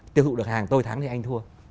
tiêu thụ được hàng tôi thắng thì anh thua